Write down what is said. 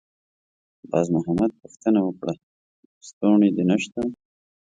باز محمد پوښتنه وکړه: «لستوڼی دې نشته؟»